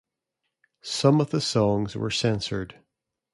Some of the songs were censored.